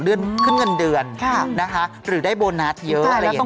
ขึ้นเงินเดือนนะคะหรือได้โบนัสเยอะอะไรอย่างนี้